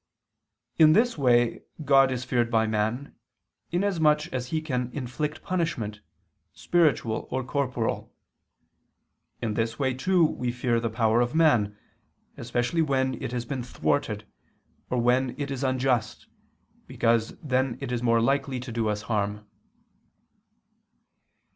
In this way God is feared by man, inasmuch as He can inflict punishment, spiritual or corporal. In this way, too, we fear the power of man; especially when it has been thwarted, or when it is unjust, because then it is more likely to do us a harm.